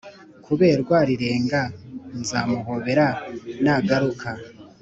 kuberwa rirenga.nzamuhobera nagaruka